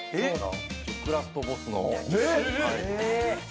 クラフトボスの。